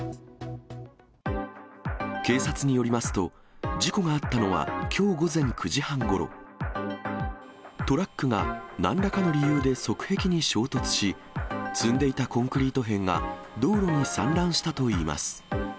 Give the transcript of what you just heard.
警察によりますと、事故があったのは、きょう午前９時半ごろ、トラックがなんらかの理由で側壁に衝突し、積んでいたコンクリート片が道路に散乱したといいます。